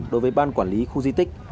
đối với ban quản lý khu di tích